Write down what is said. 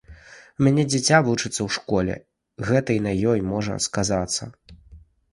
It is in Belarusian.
У мяне дзіця вучыцца ў школе, гэта і на ёй можа сказацца.